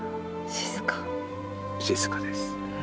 静かです。